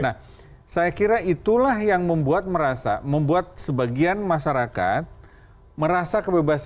nah saya kira itulah yang membuat merasa membuat sebagian masyarakat merasa kebebasan